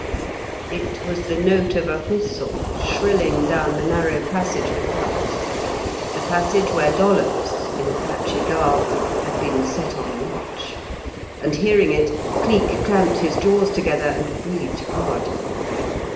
It was the note of a whistle shrilling down the narrow passage without the passage where Dollops, in Apache garb, had been set on watch; and, hearing it, Cleek clamped his jaws together and breathed hard.